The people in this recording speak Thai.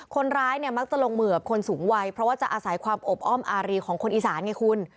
คนร้ายเนี่ยมักจะลงเหมือบคนสูงวัยเพราะว่าจะอาศัยความอบอ้อมอารีของคนอีสานไงคุณ